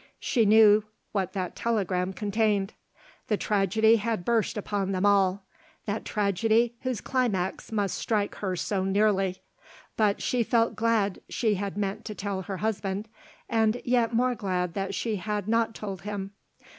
She knew what that telegram contained. The tragedy had burst upon them all, that tragedy whose climax must strike her so nearly; but she felt glad she had meant to tell her husband, and yet more glad that she had not told him.